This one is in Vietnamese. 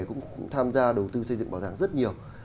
cũng tham gia đầu tư xây dựng bảo tàng rất nhiều